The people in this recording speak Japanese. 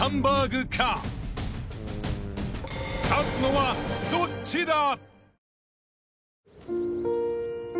［勝つのはどっちだ？］